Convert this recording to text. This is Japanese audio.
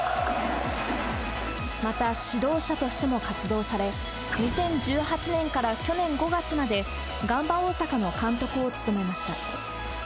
また、指導者としても活動され、２０１８年から去年５月までガンバ大阪の監督を務めました。